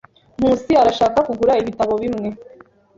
Nkusi arashaka kugura ibitabo bimwe.